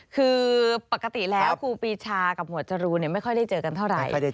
คือปกติแล้วครูปีชากับหมวดจรูนไม่ค่อยได้เจอกันเท่าไหร่